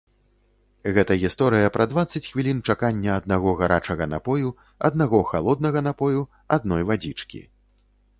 Гэта гісторыя пра дваццаць хвілін чакання аднаго гарачага напою, аднаго халоднага напою, адной вадзічкі.